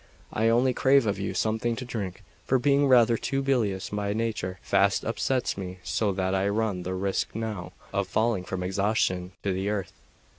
I only crave of you something to drink; for being rather too bilious by nature, fast upsets me so that I run the risk now of falling from exhaustion to the earth."